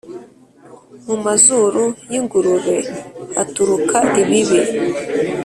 mu mazuru y’ingurube haturuka ibibi